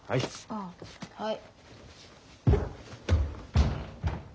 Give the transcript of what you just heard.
ああはい。